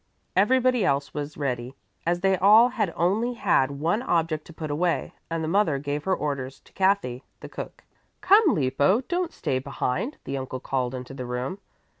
Everybody else was ready, as they all had only had one object to put away, and the mother gave her orders to Kathy, the cook. "Come, Lippo, don't stay behind!" the uncle called into the room.